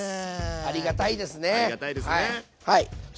ありがたいですね。